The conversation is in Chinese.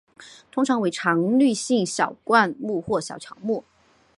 通常为常绿性小灌木或小乔木。